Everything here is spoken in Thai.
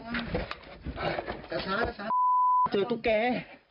มาค่ะเจอตุ๊กแก่